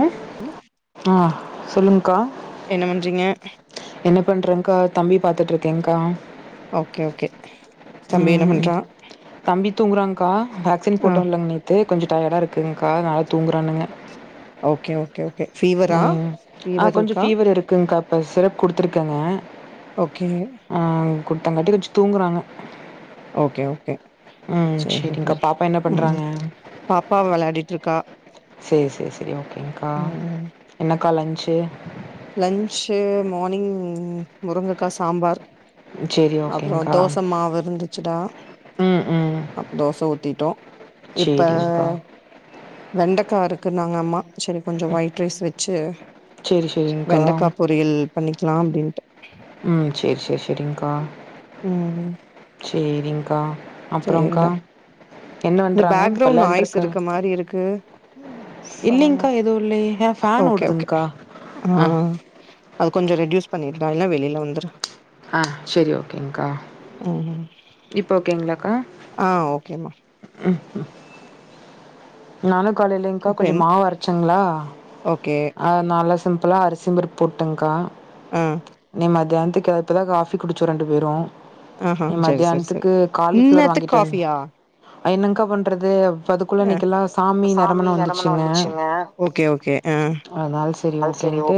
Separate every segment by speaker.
Speaker 1: அ ஆ சொல்லுங்க்கா
Speaker 2: என்ன பண்றீங்க
Speaker 1: என்ன பண்றங்க்கா தம்பி பாத்துட்ருக் தேங்கா
Speaker 2: ஓகே ஓகே தம்பி என்ன
Speaker 1: ம்
Speaker 2: பண்றா
Speaker 1: தம்பி தூங்குறாங்க்கா வேக்சின்
Speaker 2: ஆ
Speaker 1: போட்டோம்லங் நேத்து கொஞ்சொ டயடா இருக்குங்க்கா அத்னாலா தூங்குறானுங்க
Speaker 2: ஓகே ஓ கே ஓகே ஃபீவரா
Speaker 1: ம் ஆ
Speaker 2: ஃபீவர்
Speaker 1: கொஞ்சம்
Speaker 2: இருக்கா
Speaker 1: ஃபீவர் இருக்குங்கக்கா இப்போ சிறப் குடுத்ருக்கங்க
Speaker 2: ஓகே
Speaker 1: குடுத்தங்கட்டிகாச்சி தூங்குறாங்க
Speaker 2: ஓகே ஓகே
Speaker 1: ம்
Speaker 2: சேரி
Speaker 1: சரிங்க்கா பாப்பா என்ன
Speaker 2: ம்
Speaker 1: பண்ணுறாங்க
Speaker 2: பாப்பாவ வெளாடிட்ருக்கா
Speaker 1: [unintelligible] க்கா என்னக்கா லன்ச்சு
Speaker 2: லன்ச்சு மானிங் முருங்கக்கா சாம்பார்
Speaker 1: சரி
Speaker 2: அப்பறோ
Speaker 1: ஓகேங்க்கா
Speaker 2: தோச மாவுருந்துச்சுடா
Speaker 1: ம் ம்
Speaker 2: அ தோச ஊத்திட்டோ இப்ப
Speaker 1: சரிங்க்கா
Speaker 2: வெண்டக்கா வறுக்குன்னாங்க அம்மா செரி கொஞ்சொ ஒயிட் ரைஸ் வெச்சு
Speaker 1: சரி சரிங்க்கா
Speaker 2: வெண்டக்கா பொறியல் பண்ணிக்லா அப்டின்ட்டு
Speaker 1: ம் சேரி சேரி சேரிங்க்கா சேரிங்க்கா
Speaker 2: ச
Speaker 1: அப்புறங்க்கா?
Speaker 2: இருடா
Speaker 1: என்ன
Speaker 2: அங்
Speaker 1: பண்றாங்க?
Speaker 2: பேக் க்ரௌண்ட்
Speaker 1: வெளாண்ட்ருக்க
Speaker 2: இருக்க மாரி இருக்கு ஃபேனோ
Speaker 1: இல்லைங்க்கா எதுவு இல்லையே ஏ ஃபேன்
Speaker 2: ஓகே ஓகே
Speaker 1: ஓடுதுங்க்கா.
Speaker 2: ஆ அத கொஞ்சொ ரெட்யூஸ் பண்ணிரு டா இல்னா வெளி ல வந்துர்றா
Speaker 1: ஆ சேரி ஓகேங்க்கா
Speaker 2: ம்
Speaker 1: இப்போ ஓகேங்களாக்
Speaker 2: ஆ ஓகேமா
Speaker 1: ம் ம் நானுக் காலைலேங்க்கா
Speaker 2: அப்றோ
Speaker 1: கொஞ்சொ
Speaker 2: என்ன
Speaker 1: மாவு அரச்சங்களா
Speaker 2: ஓகே
Speaker 1: அதனால சிம்ப் இப்போலா அரிசிம்பருப் போட்டங்க்கா
Speaker 2: ஆ
Speaker 1: நீ மதியாண் பத்துக்கு இப்பதா காஃபி குடிச்சோ ரெண்டு பேரு
Speaker 2: ஆஹ்ஹ
Speaker 1: இனி
Speaker 2: செரி செரி செரி
Speaker 1: மத்தியானத்துக்கு
Speaker 2: இன்னேத்துக் காபியா
Speaker 1: அ என்னங்கா பண்றது பதுகுள்ள நீ
Speaker 2: சாமி நெரமனோ வந்துச்சுங்க ஓகே ஓகே ஆஹ்
Speaker 1: அதனால சரி ஓகேன்ட்டு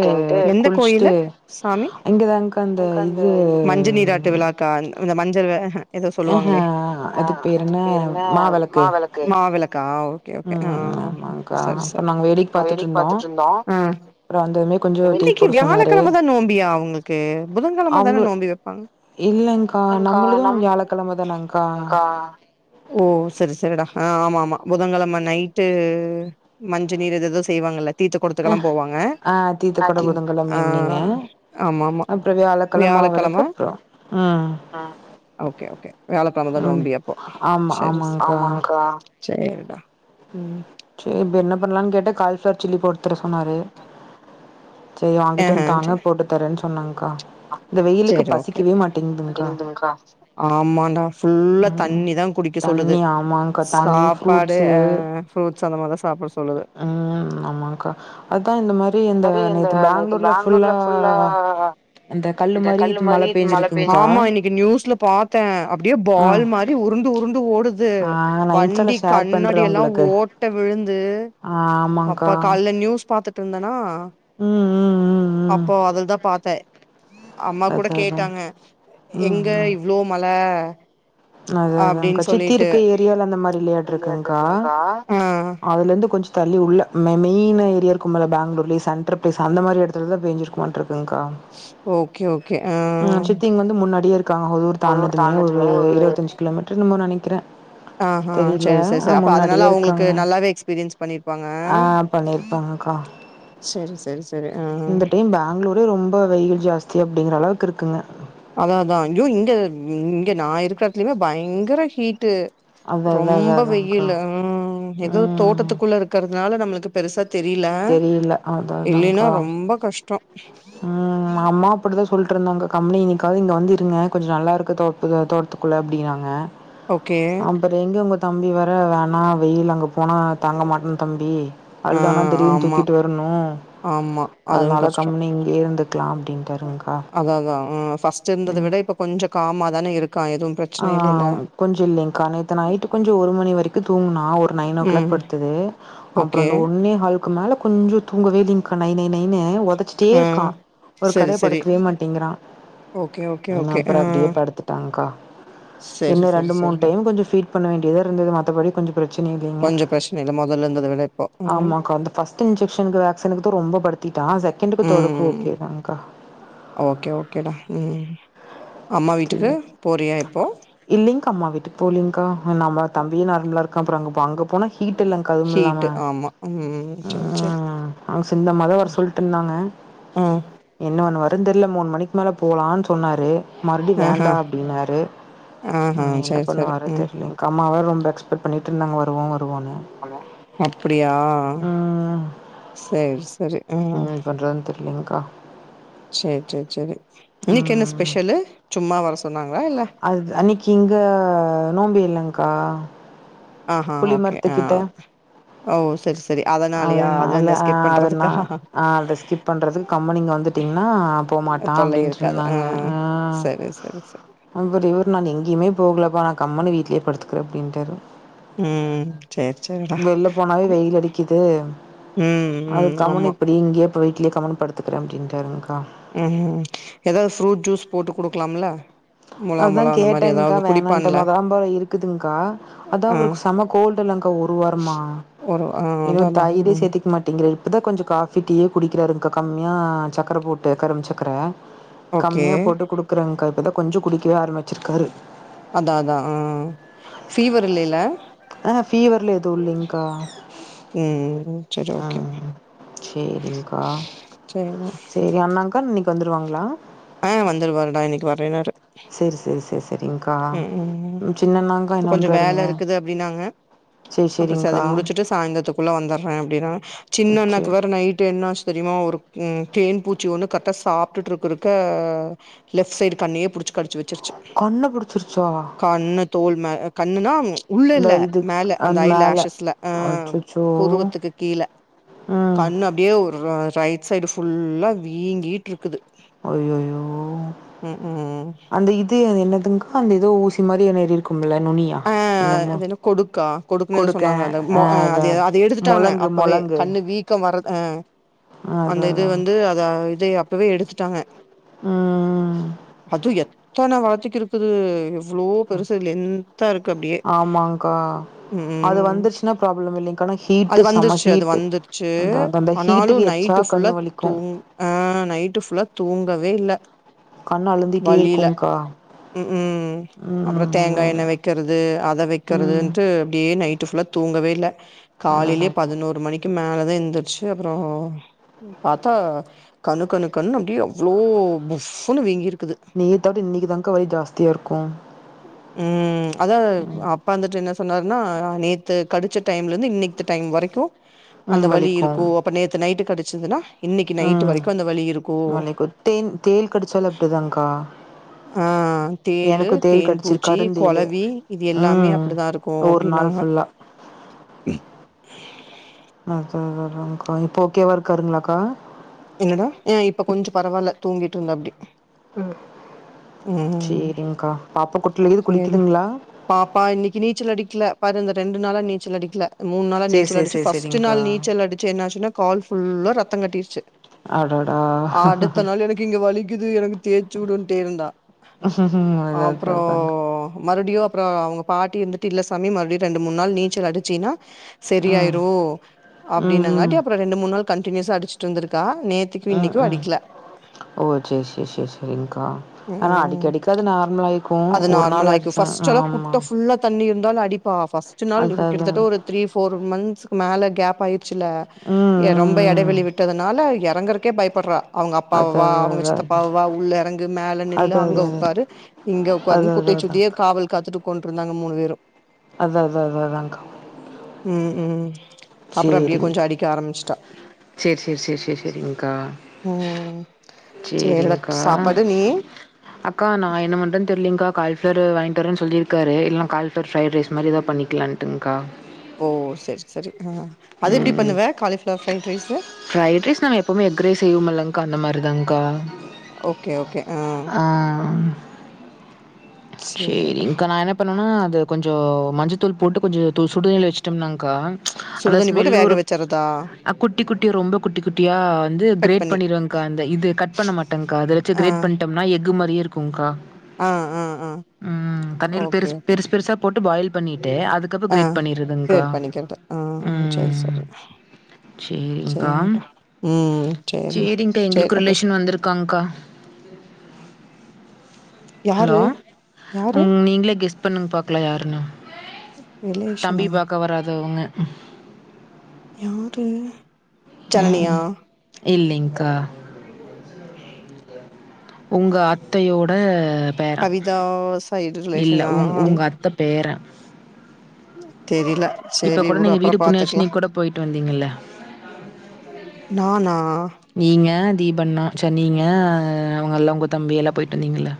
Speaker 1: குளிச்சுட்டு
Speaker 2: சாமி
Speaker 1: இங்கதாங்க அந்த
Speaker 2: எனக்கு
Speaker 1: இது
Speaker 2: மஞ்ச நீராட்டு விழாக்கா இந்த மஞ்சள் வெ ஹஹ எதோ
Speaker 1: ஆஹ
Speaker 2: சொல்லுவாங்ளே
Speaker 1: அதுக்கு பேர் என்ன மாவெளக்கு
Speaker 2: மாவிளக்காவ் ஓகே ஓகே
Speaker 1: ம்
Speaker 2: ஆஹ்
Speaker 1: ஆமாங்க்கா
Speaker 2: சரி சரி
Speaker 1: அப்புறம் நாங்க வேடிக்க பாத்துட்டு இருந்தோம்
Speaker 2: ஆஹ்
Speaker 1: அப்புறம் வந்ததுமே கொஞ்சம் டீ
Speaker 2: இன்னைக்கி
Speaker 1: போட சொன்னாரு
Speaker 2: வியாழக்கெழமதா நோம்பியா உங்களுக்கு புதன்கெழம
Speaker 1: அவங்க
Speaker 2: தான நோம்பி வெப்பாங்க
Speaker 1: இல்லங்க்கா நம்மளதும் வியாழக்கிழம தானங்க்கா
Speaker 2: ஓ செரி செரிடா ஆஹ் ஆமா ஆமா புதங்கெழம நைட்டு மஞ்ச நீர் எதேதோ செய்வாங்கள்ல தீத்த கொடத்துக்குலா
Speaker 1: அஹ்
Speaker 2: போவங் அ
Speaker 1: ஆ தீர்த்த கொட புதன்கிழம ஈவினிங்க
Speaker 2: ஆஹ் ஆமாம்மா
Speaker 1: அப்புறம் வியாழக்கிழம மாவிளக்கு
Speaker 2: வியாழக்கெழம
Speaker 1: அப்புறம் ம்
Speaker 2: ஓகே ஓகே வியாழக்கெழமதா
Speaker 1: ம்
Speaker 2: நோம்பி அப்போ
Speaker 1: ஆமா
Speaker 2: செரிங் சிஸ்
Speaker 1: ஆமாங்க்கா
Speaker 2: சேரிடா உம்
Speaker 1: சேர் இப்ப என்ன பண்ணலான் கேட்டா கால்ஃபிளர் சில்லி போட்டுதற சொன்னாரு சேரி வாங்கிட்டு வந்து தாங்க போட்டு தரேன் சொன் சொன்னாங்க
Speaker 2: சேரி ஓகே ஓகே
Speaker 1: மாட்டேங்குதுங்க்கா
Speaker 2: ஆமாண்டா ஃபுல்லா
Speaker 1: ம்
Speaker 2: தண்ணிதா குடிக்க சொல்லுது
Speaker 1: தண்ணி ஆமாங்க்கா தண்ணி
Speaker 2: சாப்பாடே அஹ ஃப்ரூட் சொன்ன மார்தா ச
Speaker 1: உம் ஆமாங்க்கா அதா இந்த மா அந்த கல்லு மாரி மழ பேஞ்சிருக்குங்க்கா
Speaker 2: ஆமா இன்னைக்கு நியூஸ்ல பாத்தே அப்டியே
Speaker 1: ஆ
Speaker 2: பால் மாரி உருந்து உருந்து ஓடுது து
Speaker 1: ஆ நா இன்ஸ்டால
Speaker 2: வண்டி
Speaker 1: ஷேர் பண்றே
Speaker 2: கண்ணாடியெல்லா
Speaker 1: உங்களுக்கு
Speaker 2: ஓட்ட விழுந்து
Speaker 1: ஆ ஆமாங்க்கா
Speaker 2: அப்பா கால்ல நியூஸ் பா பாத்துட்ருந்தே நா
Speaker 1: ம் ம் ம் ம்
Speaker 2: அப்போ அதுல்தா பாத்தே அம்மா கூட
Speaker 1: அதா அதா
Speaker 2: கேட்டாங்க எங்க இவ்ளோ மழ அப்டின்னு
Speaker 1: அதேதாங்க்கா சித்தி
Speaker 2: சொல்லிட்டு
Speaker 1: இருக்க ஏரியால அந்த மாரி இல்லயாட்ருக்குங்க்கா
Speaker 2: விளையாட்ருக்குங்க்கா ஆ
Speaker 1: அதுல இருந்து கொஞ் தள்ளி உள்ள மெ மெய்னா ஏரியா இருக்குமுல பேங்ளூர்லே சென்ட்ரு ப்ளேஸ் அந்த மாரி எடத்துலதா பேஞ்சிருமான்ருக்
Speaker 2: ஓகே ஓகே ஆ
Speaker 1: உம் சித்தி இங்க வந்து முன்னாடியே இருக் கா ஒரு ஊர்
Speaker 2: உள்ளூர்
Speaker 1: தாண்ட்னதுமே ஒரு
Speaker 2: தாண்டதுமே
Speaker 1: இருவத் தஞ்சு கிலோமீட்ரு என்னமோ நானே கிற
Speaker 2: ஆஹ் ஹா செரி செர் செர் அப்ப அதனால அவ்ங்ளுக்கு
Speaker 1: இருக்காங்க
Speaker 2: நல்லாவே எக்ஸ்பீரியன்ஸ் பண்ணிர்ப்பாங்க
Speaker 1: ஆ பண்ணிருப்பாங்கக்கா
Speaker 2: செரி செரி செரி ஆஹ் அஹ்
Speaker 1: சேஃப்டிங்ற அளவுக்கு இருக்குங்க
Speaker 2: அதா அதா அங்யோ இங்க ம் இங்க நா இருக்ற எடத்லைமே பயங்கர ஹீட்டு
Speaker 1: அதா அதா அதா
Speaker 2: ரொம்ப
Speaker 1: அதான்க்கா
Speaker 2: வெயிலு ஆஹ் எதோ
Speaker 1: ம்
Speaker 2: தோட்டத்துக்குள்ள இருக்கற்துனால நம்மளுக்கு பெரிசத் தெரில
Speaker 1: தெரில அதா
Speaker 2: இல்லேன்னா
Speaker 1: அதான்க்கா
Speaker 2: ரொம்பா கஷ்டோ
Speaker 1: ம் அம்மா அப்டிதா சொல்ட்ருந்தாங்க கம்பெனிக்காவ்து இங்க வந்து இருங்க கொஞ்சு நல்லா இருக்கு தோப்புல தோட்த்துக்குள்ள அப்டினாங்க
Speaker 2: ஓகே
Speaker 1: அம்பது எங்க எங்க தம்பி வர வேணா வெயில் அங்க போனா தாங்க மாட்னு தம்பி
Speaker 2: ஆ
Speaker 1: அதுதானான் தெரியுன்
Speaker 2: ஆமா
Speaker 1: தூக்கிட்டு வருணு அதுனால கா
Speaker 2: அதாஅதா ஆ ஃபஸ்ட்டு இருந்தத விட இப்ப கொஞ் காமா தான இரு
Speaker 1: ஆ கொஞ்சு இல்லங்க்கா நேத்து நைட்டு கொஞ்சோ ஒரு மணி வரைக்கு தூங்குனா ஆ நைன் ஓ கிளாக்
Speaker 2: ம்
Speaker 1: படுத்தது
Speaker 2: ஓகே
Speaker 1: அப்புறம்ந்த ஒன்னே ஹால் அதுனால கொஞ்சோ தூங்கவே இல்லிங்க்கா நை நை நைன்னு ஒர் பட்ச்சிட்டே
Speaker 2: ம்
Speaker 1: இருக்கான் ஒரு
Speaker 2: செரி
Speaker 1: கடய
Speaker 2: செரி
Speaker 1: படுக்கவே மாட்டேங்குறா
Speaker 2: ஓகே ஓகே ஓகே ஆ
Speaker 1: நப்புற அப்டியே படுத்துட்டான்க்கா
Speaker 2: சரி
Speaker 1: இன்னு
Speaker 2: சரி
Speaker 1: ரெண்டு மூண்
Speaker 2: சரிடா
Speaker 1: டைம் கொஞ்சு ஃபீட் பண்ண வேண்டியதா இருந்தது மத்தபடி கொஞ்சு பிரச்சினி இல்லைங்க
Speaker 2: கொஞ்சோ பிரச்சன இல்ல மொதல்ல இருந்தத விட இப்போ ம்
Speaker 1: ஆமாங்கா இந்த பஸ்ட்டு இன்ஜெக்ஷன்க்கு வேக்ஸனுங்குது ரொம்போ படுத்திட்டான் செக்கெண்டுக்கு தேடுக்கு
Speaker 2: ம்
Speaker 1: ஓகேதாங்க்கா
Speaker 2: ஓகே ஓகேடா ம் அம்மா வீட்டுக்கு போறியா இப்போ
Speaker 1: போலிங்க்கா ம் நம்ப தம்பி நார்ம்லா இருக்கான் அப்புறொ அங்க இப்ப அங்க போனா ஹீட் இல்லங்க்கா அதும்மில்லாம
Speaker 2: ஹீட்டு ஆமா ம் சரி சரி
Speaker 1: ம்ம் அவுங்சிந்தா மொத வர்
Speaker 2: சரி
Speaker 1: சொல்ட்ருந்தாங்க
Speaker 2: ஆ
Speaker 1: இன்னு ஒன்னுவர் கண் தெர்ல மூண் மணிக் மேல போலான் சொன்னாரு மறுவ்டி
Speaker 2: ஆஹா
Speaker 1: வேண்டா அப்டின்னாரு
Speaker 2: ஆஹா
Speaker 1: ம் என்ன
Speaker 2: சரி சரி
Speaker 1: பண்ணுவாரு
Speaker 2: ம்
Speaker 1: தெர்லிங்க்கா அம்மாவ ரொம் ரெக்ஸ்பெ்ட் பண்ணிட்ருந்தாங் வருவோ வர்
Speaker 2: பண்ணு அப்பிடியா
Speaker 1: ம்
Speaker 2: சர் சரி ஆ
Speaker 1: ம் [inaudible]
Speaker 2: சரி சரி சரி இன்னைக்கு, என்ன
Speaker 1: ம்
Speaker 2: ஸ்பெஷலு. அம்மா வர சொன்னாங்க.
Speaker 1: அது அன்னைக்கு இங்க நோம்பு இல்லங்கா.. ஆ
Speaker 2: ஆஹா ஓகே ஆ
Speaker 1: புளிமரத்துக்கிட்ட
Speaker 2: ஓ சரி சரி அதனாலயா அதுல
Speaker 1: அதனால
Speaker 2: இருந்து
Speaker 1: ஆ
Speaker 2: எஸ்கேப்
Speaker 1: அதனால ஆ அத ஸ்கிப்
Speaker 2: பண்றதுக்கா
Speaker 1: பண்றதுக்கு கம்முன்நீங்க வந்துட்டீங்னா போமாட்டான்,
Speaker 2: தொல்லை
Speaker 1: அப்படின்னு
Speaker 2: இருக்காது ஆ
Speaker 1: சொன்னாங்க ஆ
Speaker 2: சரி சரி சரி
Speaker 1: அப்டினு நான் எங்கேயுமே போகலப்பா நான் கம்மன் வீட்.. இ்ங்கே படுத்துக்கிறே, அப்படிின்டார்.
Speaker 2: உம் சரி சரிடா
Speaker 1: போனாவே வெயில் அடிக்குது
Speaker 2: உம் உம் ஆமா
Speaker 1: போய்டு வீ்ட்லே கமுன்னு படுத்துக்கிறேன், அப்டின்றாறுங்கா.
Speaker 2: ம் ஏதாவது ஃப்ரூட் ஜூஸ் போட்டு குடுக்கலாம்ல முலா
Speaker 1: அதான்
Speaker 2: முலா அந்த மாரி
Speaker 1: கேட்டேங்க்கா
Speaker 2: ஏதாவது
Speaker 1: வேணான்ட்ட
Speaker 2: குடிப்பான்ல
Speaker 1: முத ஆம்பாரு இருக்குதுங்கா, அதான்
Speaker 2: ஆ
Speaker 1: அவருக்கு செம கோல்டு இல்ங்கா, ஒரு வாரமா
Speaker 2: ஒரு ஆ அதா
Speaker 1: இன்னும்
Speaker 2: அதா
Speaker 1: தயிரே
Speaker 2: ம்
Speaker 1: சேர்த்திக்க மாட்டேங்கிற. இப்ப தான் கொஞ்சம் காபி, டீயே குடிக்கிறாருங்க கம்மியா சக்கரை போட்டு கரும்புசக்கரை.
Speaker 2: ஓகே
Speaker 1: கம்மியா போட்டு குடுக்குறேங்கா. கொஞ்சம் குடிக்கவே ஆரம்ச்சிருக்காரு.
Speaker 2: அதான் அதான் ஆஹ் ஃபீவர் இல்லைல.
Speaker 1: பீவர்ல எதுங் இல்லங்கா.
Speaker 2: ம் செரி ஓகே
Speaker 1: சரிங்க்கா
Speaker 2: சரி.
Speaker 1: [unintelligible] இன்னைக்கு வந்துருவாங்களா.
Speaker 2: ஆஹ் வந்துருவாருடா இன்னைக்கு வ..
Speaker 1: செரி செரி செரி
Speaker 2: ம் ம் இப்ப
Speaker 1: என்ன
Speaker 2: கொஞ்சம் வேலை
Speaker 1: பண்றாருங்க
Speaker 2: இருக்குது, அப்படின்னாங்க அப்புறம் சரி முடிச்சுட்டு சாய்ந்தத்துக்கு. உள்ள வந்துற அப்டி நா சின்னன்னாக்கு
Speaker 1: சரி
Speaker 2: வேற நைட்டு என்னாச். பெரிமா ஒரு தேன் பூச்சி ஒன்னு கரெக்டா சாப்டுட்டு இருக்கிறப்ப, லெப்ட் சைடு கண்ணியே புடிச்சு கடிச்சு வச்சிரு.
Speaker 1: கண்ணை பிடிச்சிருச்சா
Speaker 2: கண்ண தோல். ஆ கண்ணுன்னா. உள்ள
Speaker 1: இந்த
Speaker 2: இல்ல
Speaker 1: இது
Speaker 2: மேல, அந்த
Speaker 1: அது
Speaker 2: ஐ
Speaker 1: மேலே
Speaker 2: லாஷஸ்ல ஆஹ்
Speaker 1: அச்சச்சோ
Speaker 2: புருவத்துக்கு கீழ
Speaker 1: ம்
Speaker 2: கண்ணு அப்டியே ஒர். ரா ரைட் சைடு ஃபுல்லா வீங்கிட்டு இருக்குது.
Speaker 1: அய்யய்யோ
Speaker 2: ம் ம்
Speaker 1: அந்த இது அது என்னதுங். அந்த இதோ ஊசி மாரி, ஏறி ருக்கும்.
Speaker 2: ஆ ஆ அது என்ன கொடுக்கா கொடுக்குன்னு எத சொன்னாங்க,
Speaker 1: கொடுக்கேன்
Speaker 2: அந்த
Speaker 1: ஆ
Speaker 2: மோ அ அதை
Speaker 1: அதான்
Speaker 2: அத எடுத்துட்டாங்க,
Speaker 1: முழங்கு
Speaker 2: அப்பவே
Speaker 1: முழங்கு
Speaker 2: கண்ணு வீக்கம் வரதுக். ஆ. அந்த
Speaker 1: அதான்
Speaker 2: இது வந்து,
Speaker 1: அதாங்க்கா
Speaker 2: அத இத அ. அப்பவே எடுத்துட்டாங்க.
Speaker 1: ம்
Speaker 2: ஹது எத் தன வாத்திக்கிருக்குது அவ்ளோ பெருசு லென் இருக்கு அப்டியே
Speaker 1: ஆமாங்க்கா. அது
Speaker 2: உம்
Speaker 1: வந்துருச்சுன்னா ப்ராப்ளம் இல்லைங்க்கா. ஆனா ஹீட்டு
Speaker 2: அது
Speaker 1: செம
Speaker 2: வந்துருச்சு அது
Speaker 1: ஹீட்டு.
Speaker 2: வந்துருச்சு
Speaker 1: அந்த அது அந்த
Speaker 2: ஆனாலு
Speaker 1: ஹீட்டுக்கு எச்சா
Speaker 2: நைட்டு ஃபுல்லா
Speaker 1: கண்ணு வலிக்கு.
Speaker 2: தூங் அ நைட்டு ஃபு ல தூங்கவேல்ல
Speaker 1: கண் அழுந்திட்டே இருக்கும்ங்க்கா உம் அ
Speaker 2: இது அத வெக்கிறதுட்டு அப்டி யே நைட்டு ஃபுல்லா தூங்கவேல்ல
Speaker 1: அடடா!
Speaker 2: காலேலே பதினோரு மணி க்கி மேலதா எந்தருச்சு அப்பறோ பாத்தா கண்ணு கண்ணு கண்ணு அப்டியே அவ்ளோ ஃபப்புனு வீங்கிரு
Speaker 1: நேத்த விட இன்னைக்குதாக்கா வலி ஜாஸ்தியா இருக்கு
Speaker 2: அதாதா அப்ப அந்த என்ன சொன்னாருன்னா நேத்து கடிச்ச டைம்லருந்து இன்னை இந்த டைம் வரைக்கு அந்த
Speaker 1: ம்
Speaker 2: வலி இருக்கு அப்ப நேத்து நைட்டு கடிச்சுதுனா
Speaker 1: உம் மலைக்கு தேன் தேள் கடிச்சாலு அப்டிதாங்கா
Speaker 2: ஆஹ் தேளு தேன் பூச்சி
Speaker 1: கருந்தேளு.
Speaker 2: கொளவி இது எல்லாமே
Speaker 1: ம்
Speaker 2: அப்டித்தாருக்கு
Speaker 1: ஒரு நாள்
Speaker 2: அப்டின்னாங்க [inaudible]
Speaker 1: ஃபுல்லா. அத அதா அதாகா இப்போ ஓகேவாருக்காருங்ளாக்கா
Speaker 2: என்னடா ஏ இப்ப கொஞ்சோ பரவால்ல தூங்கிட்ருந்தாப்டி உம்
Speaker 1: சேரிங்க்கா பாப்பா குட்லயாது
Speaker 2: சேரிடா
Speaker 1: குளிக்குதுங்களா
Speaker 2: பாப்பா இன்னைக்கு நீச்சல் அடிக்கல பாரு இந்த ரெண் ரெண்டுநாலா நீச்சல் அடிக்கல மூணு நாளா
Speaker 1: சேரி
Speaker 2: நீச்சல்
Speaker 1: சேரி
Speaker 2: அடிச்சு
Speaker 1: சேரி
Speaker 2: ஃபஸ்ட்
Speaker 1: சேரிங்க்கா
Speaker 2: நாள் நீச்சல் அடிச்சு என்னாச்சுன்னா கால் ஃபுல்லா ரத்த கட்டிருச்சு
Speaker 1: அடடாஹ்
Speaker 2: அடுத்த நாள் எனக்கு இங்க வலிக்குது எனக் தேச்சூவுடுட்டே இருந்தா
Speaker 1: அது அது
Speaker 2: ஆப்பறோ
Speaker 1: அதாங்க
Speaker 2: மறுடியு அப்பறோ அவுங்க பாட்டி இருந்துட்டு இல்ல சாமி மறுடி ரெண்டு மூணு நாள் நீச்சல் அடிச்சினா
Speaker 1: ம்
Speaker 2: செரியாயிரு
Speaker 1: ம்
Speaker 2: அப்டின்னாங்காட்டி
Speaker 1: ம்
Speaker 2: அப்பறோ ரெண்டு மூண்நாள் கன்டினியூசா அடிச்சிட்டுருந்துக் கா
Speaker 1: உம் உம் ஓ சேரி சேரி சேரி சேரிக்கா ஆனா
Speaker 2: ம்
Speaker 1: அடிக்கடிக்க அது நார்மலாயிக்கு
Speaker 2: அது
Speaker 1: ஒரு
Speaker 2: நார்மல்
Speaker 1: நாள் அடிச்சா ஆமா
Speaker 2: தால அடிப் போ ஃபர்ஸ்ட் நாள்
Speaker 1: அதா
Speaker 2: [unintelligible]
Speaker 1: அதா
Speaker 2: கிட்டதட்ட ஒரு த்ரீ ஃபோர் மன்த்ஸ் மேல கேப் ஆயி சுல்ல
Speaker 1: ம்
Speaker 2: எ ரொம்ப
Speaker 1: ம் ம்
Speaker 2: எடைவளி விட்டத ல்ல இறங்கறக்கே பயப்படுறா அவுங்க அப்பா
Speaker 1: அதா
Speaker 2: வா அவுங்க
Speaker 1: அதா
Speaker 2: சித்தப்பா வா உள்ள இறங்கு மேல நில்லு அங்க
Speaker 1: அதா அதா
Speaker 2: உக்காரு இங்க
Speaker 1: அதா அதா
Speaker 2: உக்காருன்னு குட்டை
Speaker 1: அதா
Speaker 2: சுத்தியே காவல் காத்துட்டு கொண்டுருந்தாங்க மூணு பேரும்
Speaker 1: அதான் அதான் அதான் அதான்க்கா
Speaker 2: உம் அப்புறம் அப்டியே கொஞ்சம் அடிக்க ஆரம்பிச்சுட்டா
Speaker 1: சேர் சேர் சேர் சேர் செரிங்கா
Speaker 2: உம்
Speaker 1: சேரிங்க்கா அக்கா நா என்ன பண்றன்னு தெர்லங்க்கா கால்ஃப்ளர் வாங்கிட்டு வரேன்னு சொல்லியிருக்காரு இல்லன காலிஃப்ளவர் வாங்கிட்டு வரேணு சொல்லிர்க்காரு இல்லனா காலிஃப்ளவர் ஃப்ரைட் ரைஸ் மாரி எதா பண்ணிக்கலான்டுங்க்கா
Speaker 2: ஓ செர் செரி அஹ் அது எப்டி பண்ணுவ cauliflower fried rice
Speaker 1: fried rice நாம்ம எப்பவுமே எஃக் ரைஸ் செய்வோம்லங்க்கா அந்த மாரிதான்கா
Speaker 2: ஓகே ஓகே அஹ்
Speaker 1: சேரிங்க்கா நா என்ன பண்ணுவனா அது கொஞ்சோ இப்போ மஞ்சத்தூள் போட்டு கொஞ்சோ தூ சுடுதண்ணீல வச்சுட்டோம்னாங்க்கா ச் அந்த
Speaker 2: சுடுதண்ணி போட்டு
Speaker 1: ஸ்மெல்லு
Speaker 2: வேக
Speaker 1: ஒரு
Speaker 2: வச்சறதா
Speaker 1: அ குட்டி குட்டி ரொம்ப குட்டி குட்டியா வந்து
Speaker 2: கட்
Speaker 1: கிரேட்
Speaker 2: பண்ணி
Speaker 1: பண்ணிருவங்க அந்த இது கட் பண்ண மாட்டேங்கா அதவச்சு கிரேட் பண்டம்னா எஃகு மாரியே இருக்குங்க்கா
Speaker 2: ஆஹ் ஆஹ்
Speaker 1: உம் தண்ணீல பெருசு பெருசு பெருசா போ ட்டு பாயில் பண்ணி ட்டு அதுக்கப்றம்
Speaker 2: ஆ
Speaker 1: கிரேட் பண்ணிறதுங்கா
Speaker 2: கிரேட் பண்ணிக்கிறது ஆ சரி
Speaker 1: ம்
Speaker 2: சரி
Speaker 1: சேரிங்கா
Speaker 2: சரிடா ம் சரிம்மா
Speaker 1: சேரிங்கா
Speaker 2: சரி
Speaker 1: எங்களுக்கும்
Speaker 2: அப்ப
Speaker 1: ரிலேஷன் வந்திருக்காங்க்கா
Speaker 2: யாரு யாரு
Speaker 1: உம் நீங்களே கெஸ் பண்ணுங்க பாக்கலாம் யாருன்னு
Speaker 2: ரிலேஷனா
Speaker 1: தம்பி பாக்க வராத வோங்க
Speaker 2: யாரு ஜனனியா
Speaker 1: ம் இல்லைங்க்கா உங்க அத்தையோட பேரன்
Speaker 2: கவிதா சைடு
Speaker 1: இல்ல
Speaker 2: ரிலேஷனா
Speaker 1: உங் உங்க அத்த பேரன்
Speaker 2: உம்
Speaker 1: இப்ப கூட நீங்க வீடு புண்ணியாட்சனிக்கூட போயிட்டு வந்தீங்கல்ல
Speaker 2: நானா
Speaker 1: நீங்க தீபண்ணா ச்ச நீங்க அவங்கல்லா உங்க தம்பி எல்லா போயிட்டு வந்தீங்கள்ள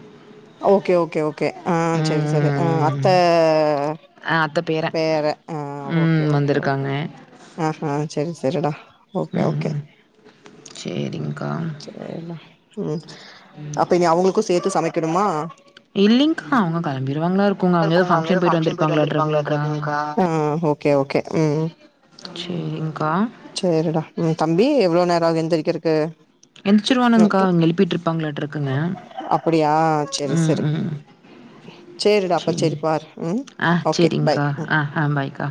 Speaker 2: ஓகே ஓகே ஓக் கே ஆஹ் சேரி சேரி அ அத்த
Speaker 1: ம் அ அத்த பேர
Speaker 2: பேரன் ஆஹ் ஓகே
Speaker 1: ம்
Speaker 2: ஓகே ஓகே
Speaker 1: வந்திருக்காங்க
Speaker 2: ஆஹ்ஹ் சேரி சேரிடா ஓகே ஓகே
Speaker 1: ம் சேரிங்க்கா
Speaker 2: சேரிடா ம் அப்ப நீ அவுங்களுக்கு சேத்து சம கிருமா
Speaker 1: இல்லீங்க்கா அவுங்க கெளம்பி ருவாங்களா இருக்குங்க அங்க எதோ
Speaker 2: அவங்க
Speaker 1: ஃபங்ஷன்
Speaker 2: ஏதோ
Speaker 1: போயிட்டு
Speaker 2: ஃபங்க்ஷன்
Speaker 1: வந்திருப்பாங்களாட்ராங்க்கா
Speaker 2: வந்திருப்பாங்களாட்ருக்குங்க்கா ஆ ஓகே ஓகே உம்
Speaker 1: சேரிங்க்கா
Speaker 2: சேரிடா உம் தம்பி எவ்ளோ நேரோ ஆகு இன் தெரிக்கறக்கு
Speaker 1: எஞ்சிருவானுங்க்கா அவங்க எழுப்பிட்ருபாங்களாற்றுருக்குங்க
Speaker 2: அப்படியா செரி
Speaker 1: உம்
Speaker 2: செரி
Speaker 1: உம்
Speaker 2: சேரிடா அப்ப
Speaker 1: சேரி
Speaker 2: செரி பாரு ம்
Speaker 1: ஆஹ்
Speaker 2: ஓகே பாய்
Speaker 1: சேரிங்க்கா
Speaker 2: ம்
Speaker 1: ஆஹ் ஆஹ் பாய்க்கா